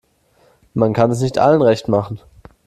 Man kann es nicht allen recht machen.